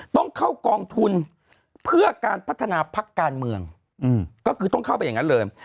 ต้องเข้ากองทุนเพื่อการพัฒนาพักการเมืองก็คือต้องเข้าไปอย่างนั้นเลย